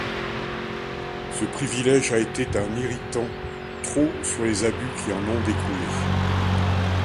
Ce privilège a été un irritant trop sur les abus qui en ont découlé.